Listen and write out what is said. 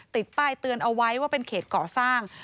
ติดป้ายเตือนเอาไว้ว่าเป็นเขตก่อสร้าง